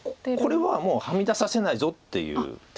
これはもうはみ出させないぞっていう手です。